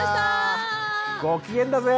ご機嫌だぜ！